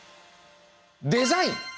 デザイン！